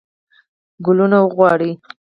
کلونو وغواړي.